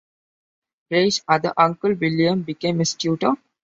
Gray's other uncle, William, became his tutor.